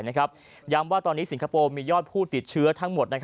ย้ำว่าตอนนี้สิงคโปร์มียอดผู้ติดเชื้อทั้งหมด